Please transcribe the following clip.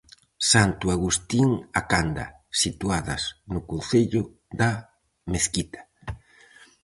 Santo Agustín-A Canda, situadas no concello da Mezquita.